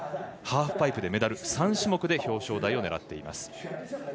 ハーフパイプでメダルをとり３種目で表彰台を狙っています。